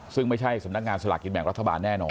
ซึ่งไม่ใช่สำนักงานสลากกินแบ่งรัฐบาลแน่นอน